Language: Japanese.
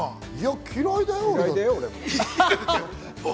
嫌いだよ、俺も。